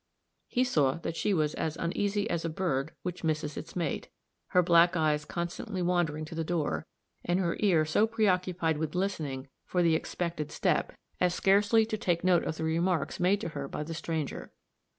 He saw that she was as uneasy as a bird which misses its mate, her black eyes constantly wandering to the door, and her ear so preoccupied with listening for the expected step as scarcely to take note of the remarks made to her by the stranger.